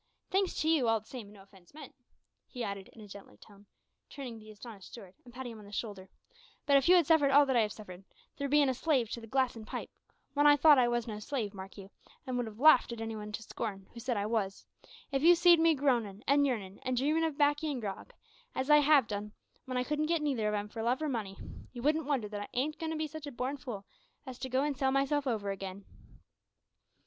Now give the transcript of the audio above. Thanks to you, all the same, an' no offence meant," he added in a gentler tone, turning to the astonished steward, and patting him on the shoulder, "but if you had suffered all that I have suffered through bein' a slave to the glass and the pipe when I thought I was no slave, mark you, an' would have larfed any one to scorn who'd said I wos if you'd see'd me groanin', an yearnin', an' dreamin' of baccy an' grog, as I have done w'en I couldn't get neither of 'em for love or money you wouldn't wonder that I ain't goin' to be such a born fool as to go an' sell myself over again!"